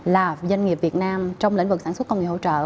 là doanh nghiệp việt nam trong lĩnh vực sản xuất công nghiệp hỗ trợ